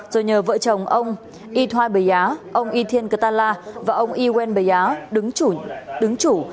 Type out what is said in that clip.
rồi nhờ vợ chồng ông y thoai bề giá ông y thiên cơ ta la và ông y nguyen bề giá đứng chủ